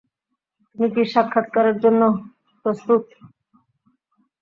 তুমি কি সাক্ষাৎকারের জন্য প্রস্তুত?